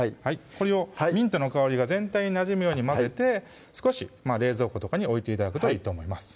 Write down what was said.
これをミントの香りが全体になじむように混ぜて少し冷蔵庫とかに置いて頂くといいと思います